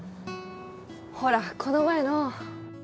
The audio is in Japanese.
ほらこの前の